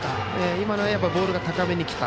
今のはボールが高めに来た。